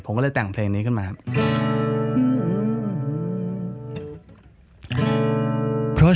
ผมก็เลยแต่งเพลงนี้ขึ้นมาครับ